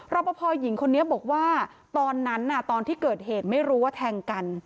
ปภหญิงคนนี้บอกว่าตอนนั้นตอนที่เกิดเหตุไม่รู้ว่าแทงกัน